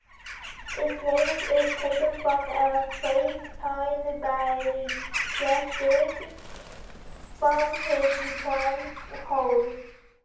Its name is taken from a phrase coined by Ginsberg, from his poem Howl.